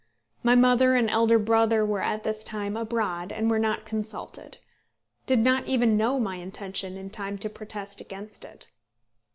My mother and elder brother were at this time abroad, and were not consulted; did not even know my intention in time to protest against it.